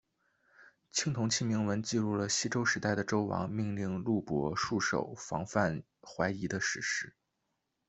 青铜器铭文记录了西周时代的周王命令录伯戍守防范淮夷的史实。